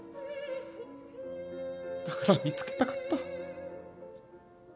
だから見つけたかった。